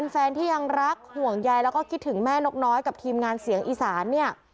แฟนที่ยังรักห่วงใยแล้วก็คิดถึงแม่นกน้อยกับทีมงานเสียงอีสานเนี่ย